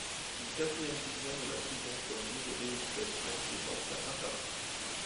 Une quatrième vision de la prison comme lieu de rééducation est enfin apparue.